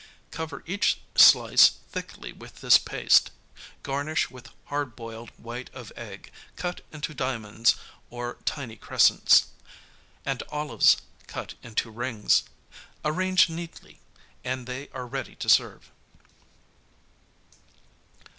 Cover each slice thickly with this paste; garnish with hard boiled white of egg, cut into diamonds or tiny crescents, and olives cut into rings. Arrange neatly, and they are ready to serve.